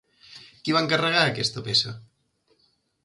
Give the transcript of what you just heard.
Qui va encarregar aquesta peça?